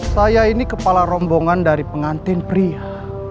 saya ini kepala rombongan dari pengantin pria